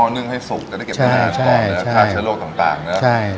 อ๋อนึ่งให้สุกจะได้เก็บไว้ในน้ำก่อนใช่ใช่ค่าเชื้อโรคต่างต่างเนอะใช่